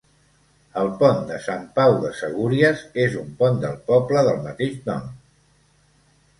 El Pont de Sant Pau de Segúries és un pont del poble del mateix nom.